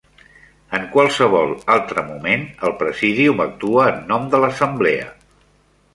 En qualsevol altre moment, el Presidium actua en nom de l'Assemblea.